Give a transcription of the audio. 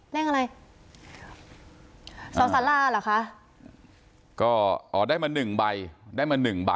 เลขอะไรสอสาราเหรอคะก็อ๋อได้มาหนึ่งใบได้มาหนึ่งใบ